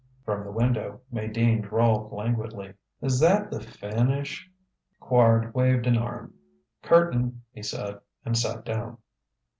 From the window, May Dean drawled languidly: "Is that the finish?" Quard waved an arm. "Curtain!" he said; and sat down.